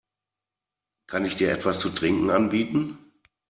Kann ich dir etwas zu trinken anbieten?